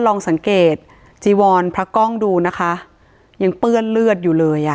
ลองสังเกตจีวรพระกล้องดูนะคะยังเปื้อนเลือดอยู่เลยอ่ะ